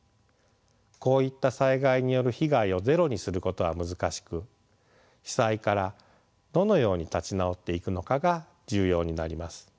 こういった災害による被害をゼロにすることは難しく被災からどのように立ち直っていくのかが重要になります。